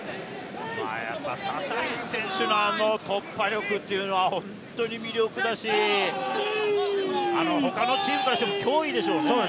タタフ選手のあの突破力は本当に魅力だし、他のチームからしても脅威でしょうね。